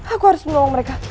aku harus menolong mereka